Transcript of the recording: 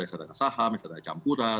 eksadana saham eksadana campuran